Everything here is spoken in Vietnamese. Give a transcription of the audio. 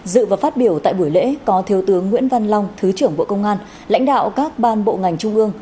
dự và phát biểu tại buổi lễ có thiếu tướng nguyễn văn long thứ trưởng bộ công an lãnh đạo các ban bộ ngành trung ương